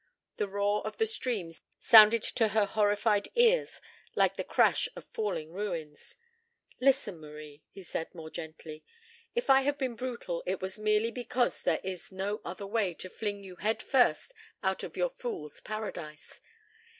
The roar of the stream sounded to her horrified ears like the crash of falling ruins. "Listen, Marie," he said more gently. "If I have been brutal, it was merely because there was no other way to fling you head first out of your fool's paradise.